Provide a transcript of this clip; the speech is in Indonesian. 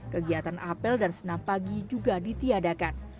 kegiatan apel dan senapagi juga ditiadakan